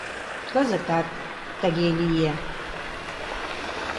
Кызытат тыге лие.